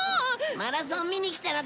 マラソン見に来たのか？